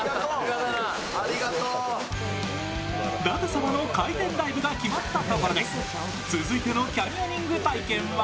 舘様の回転ダイブが決まったところで続いてのキャニオニング体験は